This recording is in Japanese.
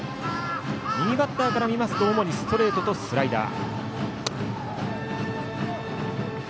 右バッターから見ますと主にストレートとスライダー。